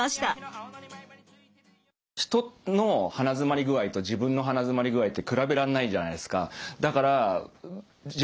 人の鼻づまり具合と自分の鼻づまり具合って比べらんないじゃないですか。